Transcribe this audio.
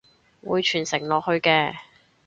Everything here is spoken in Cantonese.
會傳承落去嘅！